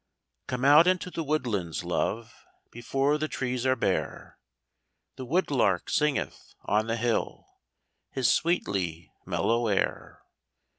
COME out into the woodlands, love, Before the trees are bare ; The woodlark singeth on the hill His sweetly mellow air.